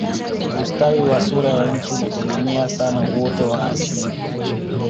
ustawi wa sura ya nchi unategemea sana uoto wa asili